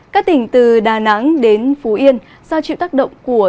các tỉnh từ đà nẵng đến phú yên do chịu tác động của